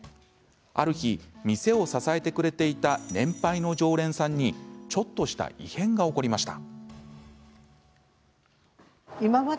ある日、店を支えてくれていた年配の常連さんにちょっとした異変が起こりました。